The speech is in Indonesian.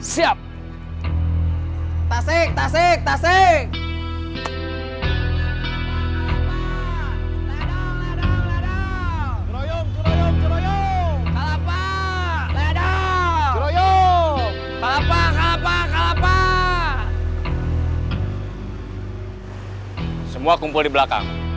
semua kumpul di belakang